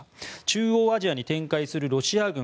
中央アジアに展開するロシア軍